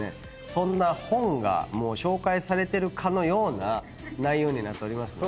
そんな本がもう紹介されてるかのような内容になっておりますので。